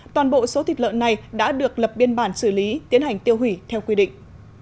toàn bộ số thịt lợn này đã được lập biên bản xử lý tiến hành tiêu hủy theo quy định